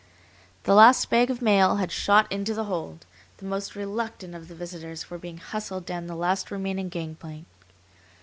The last bag of mail had shot into the hold, the most reluctant of the visitors were being hustled down the last remaining gangplank.